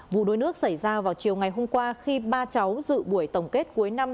vụ đuối nước xảy ra vào chiều ngày hôm qua khi ba cháu dự buổi tổng kết cuối năm